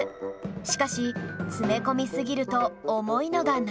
しかし詰め込みすぎると重いのが難点